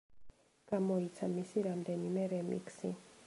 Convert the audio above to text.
გამოიცა მისი რამდენიმე რემიქსი.